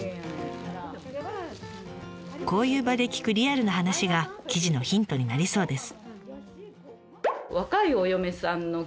こういう場で聞くリアルな話が記事のヒントになりそうです。